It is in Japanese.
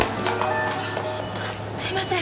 すみません。